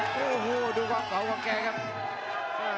โอ้โหดูความเก่าของแกครับ